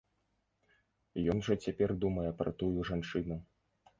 Ён жа цяпер думае пра тую жанчыну!